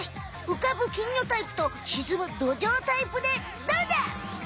浮かぶ金魚タイプと沈むドジョウタイプでどうだ！